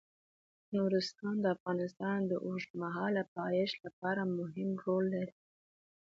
نورستان د افغانستان د اوږدمهاله پایښت لپاره مهم رول لري.